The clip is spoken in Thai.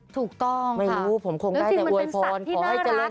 ถูกต้องค่ะไม่รู้ผมคงได้แต่โวยพรแล้วจริงมันเป็นสัตว์ที่น่ารักด้วยนะ